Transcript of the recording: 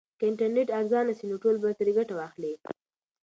که انټرنیټ ارزانه سي نو ټول به ترې ګټه واخلي.